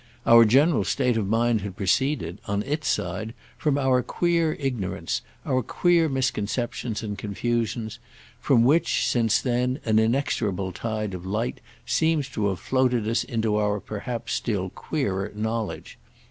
Our general state of mind had proceeded, on its side, from our queer ignorance, our queer misconceptions and confusions—from which, since then, an inexorable tide of light seems to have floated us into our perhaps still queerer knowledge.